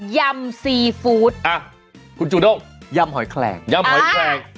ยั่มซีฟู้ดคุณจูโดกยั่มหอยแคลงยั่มหอยแคลง